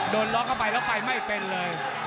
โดนล็อกเข้าไปแล้วไปไม่เป็นเลย